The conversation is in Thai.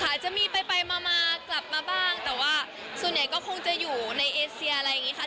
เราก็มีเฝ้ามีไปมากลับมาบ้างแต่ว่าส่วนใหญ่ก็คงจะอยู่ในเอเซียอะไรนี้ค่ะ